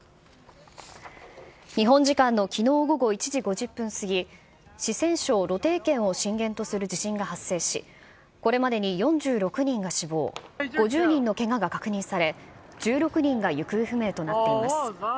日本時間のきのう午後１時５０分過ぎ、四川省瀘定県を震源とする地震が発生し、これまでに４６人が死亡、５０人のけがが確認され、１６人が行方不明となっています。